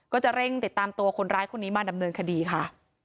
ก็จะเร่งติดตามตัวคนร้ายคนนี้มาดำเนินคดีค่ะ